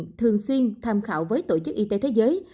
bộ y tế thường xuyên tham khảo với tổ chức y tế thế giới